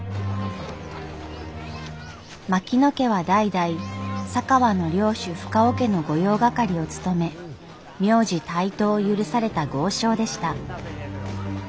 槙野家は代々佐川の領主深尾家の御用掛を務め名字帯刀を許された豪商でした。